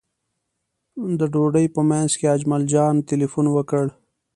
د ډوډۍ په منځ کې اجمل جان تیلفون وکړ.